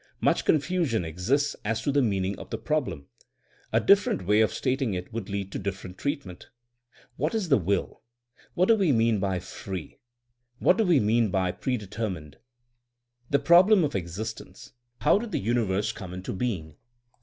Much confusion exists as to the meaning of the problem. A different way of stating it would lead to different treatment. What is the ^^will^'t What do we mean by ^'free^V? What do we mean by predeter mined'^? The problem of existence. How did the uni verse come into being?